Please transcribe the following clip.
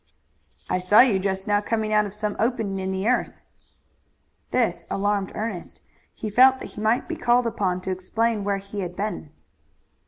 "I saw you just now coming out of some opening in the earth." This alarmed Ernest. He felt that he might be called upon to explain where he had been.